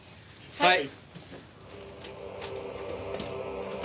はい！